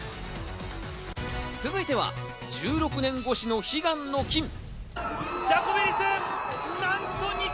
続いては１６年越しの悲願の金。